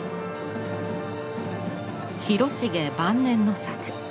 広重晩年の作。